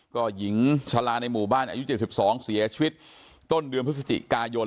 ก็หญิงชะลาในหมู่บ้านอายุ๗๒เสียชีวิตต้นเดือนพฤศจิกายน